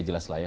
jelas lah ya